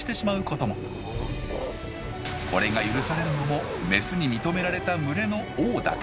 これが許されるのもメスに認められた群れの王だけです。